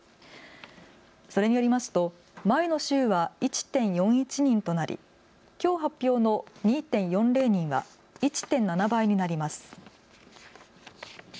それによりますと前の週は１．４１人となり、きょう発表の２．４０人は１．７倍になります。